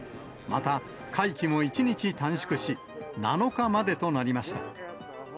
また、会期も１日短縮し、７日までとなりました。